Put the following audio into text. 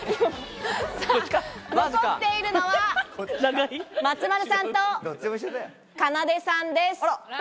残っているのは松丸さんと、かなでさんです。